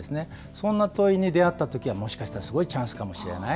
そんな問いに出会ったときは、もしかしたらすごいチャンスかもしれない。